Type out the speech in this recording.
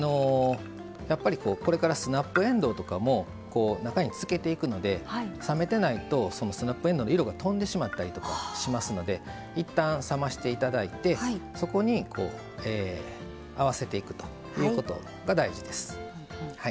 やっぱりこれからスナップえんどうとかも中につけていくので冷めてないとそのスナップえんどうの色がとんでしまったりとかしますのでいったん冷ましていただいてそこに合わせていくということが大事です。